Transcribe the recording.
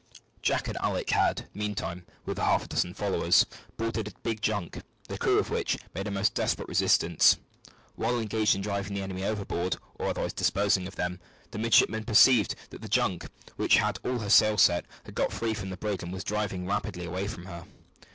Jack and Alick had, meantime, with half a dozen followers, boarded a big junk, the crew of which made a most desperate resistance. While engaged in driving the enemy overboard, or otherwise disposing of them, the midshipmen perceived that the junk, which had all her sails set, had got free from the brig, and was driving rapidly away from her.